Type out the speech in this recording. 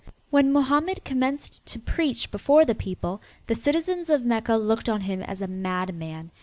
When Mohammed commenced to preach before the people, the citizens of Mecca looked on him as a madman.